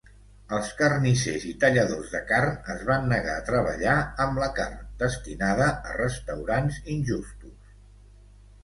Els carnissers i talladors de carn es van negar a treballar amb la carn destinada a restaurants injustos.